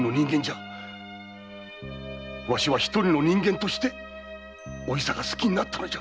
わしは一人の人間としてお久が好きになったのじゃ。